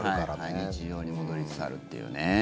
日常に戻りつつあるっていうね。